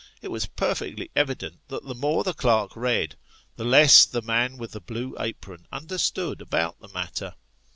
It was perfectly evident that the more the clerk read, the less the man with the blue apron understood about the matter.